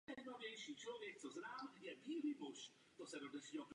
Některé velké odborné časopisy již následují tento trend.